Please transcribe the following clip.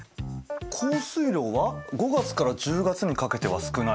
降水量は５月から１０月にかけては少ない。